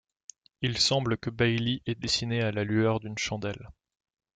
Il semble que Bailly ait dessiné à la lueur d’une chandelle.